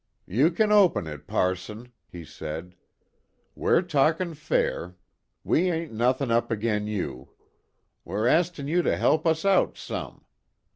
"You ken open it, passon," he said. "We're talkin' fair. We ain't nuthin' up agin you. We're astin' you to help us out some.